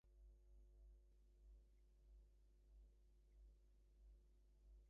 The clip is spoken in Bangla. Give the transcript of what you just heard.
বিপিনবাবু এ-সকল বিষয়ে কোনো কথাই কন না, পাছে ওঁর ভিতরকার কবিত্ব ধরা পড়ে।